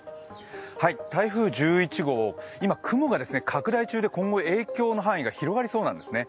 台風１１号、今、雲が拡大中で今後、影響の範囲が広がりそうなんですね。